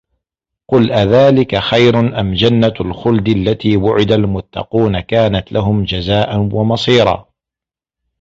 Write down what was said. قُل أَذلِكَ خَيرٌ أَم جَنَّةُ الخُلدِ الَّتي وُعِدَ المُتَّقونَ كانَت لَهُم جَزاءً وَمَصيرًا